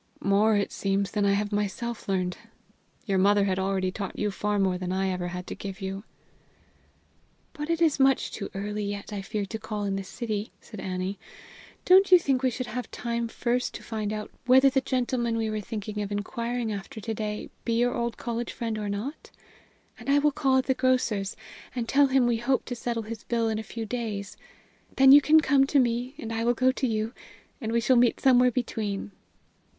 "More, it seems, than I have myself learned. Your mother had already taught you far more than ever I had to give you!" "But it is much too early yet, I fear, to call in the City," said Annie. "Don't you think we should have time first to find out whether the gentleman we were thinking of inquiring after to day be your old college friend or not? And I will call at the grocer's, and tell him we hope to settle his bill in a few days. Then you can come to me, and I will go to you, and we shall meet somewhere between."